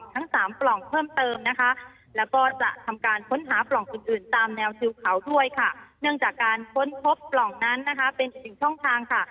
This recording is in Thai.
เนื่องจากการค้นพบปล่องนั้นนะคะเป็นอีกสิ่งช่องทางค่ะ